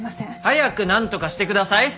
早くなんとかしてください！